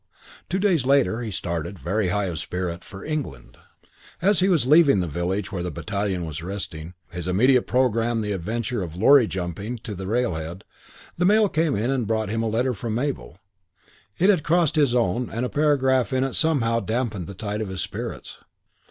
Two days later he started, very high of spirit, for England. As he was leaving the village where the battalion was resting his immediate programme the adventure of "lorry jumping" to the railhead the mail came in and brought him a letter from Mabel. It had crossed his own and a paragraph in it somehow damped the tide of his spirits.